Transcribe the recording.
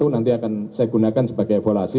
nanti akan saya gunakan sebagai evaluasi